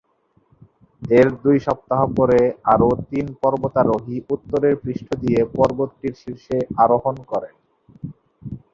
এর দুই সপ্তাহ পরে আরো তিন পর্বতারোহী উত্তরের পৃষ্ঠ দিয়ে পর্বতটির শীর্ষে আরোহণ করেন।